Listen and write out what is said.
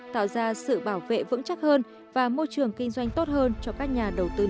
tạo ra sự bảo vệ vững chắc hơn và môi trường kinh doanh tốt hơn cho các nhà đầu tư nước ngoài